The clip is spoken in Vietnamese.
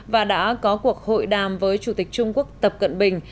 và đã có cuộc hội đàm với chủ tịch trung quốc tập cận bình